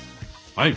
はい！